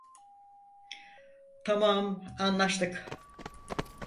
Tamam, anlaştık.